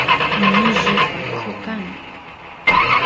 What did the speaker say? mishi paqo kan